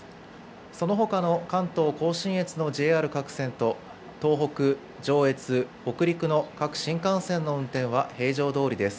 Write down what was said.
そのほかの関東甲信越のＪＲ各線と、東北、上越、北陸の各新幹線の運転は平常どおりです。